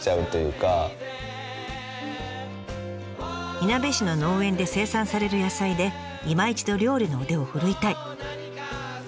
いなべ市の農園で生産される野菜でいま一度料理の腕を振るいたい。